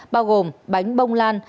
bao gồm bánh bông lan